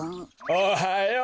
おはよう。